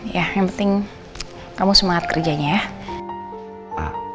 ya yang penting kamu semangat kerjanya ya